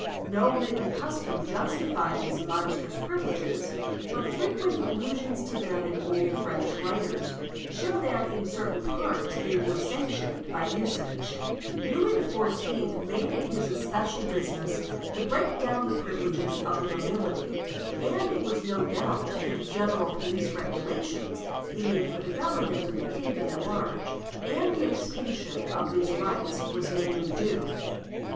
No written custom justified these monstrous privileges, but frequent allusions to them in the old French writers show that in certain parts they were sanctioned by usage. Louis XIV. made it his especial business to break down the privileges of the nobility, and it was no doubt to the general police regulations he made for the government of the kingdom at large that the extinction of these rights was mainly due.